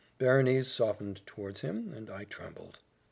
Berenice softened towards him, and I trembled.